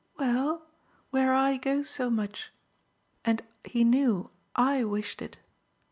"Well, where I go so much. And he knew I wished it."